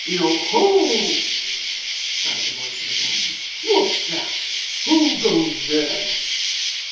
'Yoho!' cried the voice of a man. 'What's that? Who goes there?